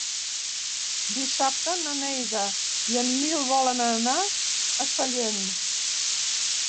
Dissabte na Neida i en Nil volen anar a Sallent.